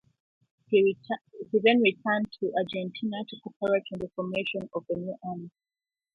He then returned to Argentina to cooperate in the formation of a new army.